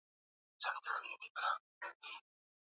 atuwezesha tuangalie ni nini inaweza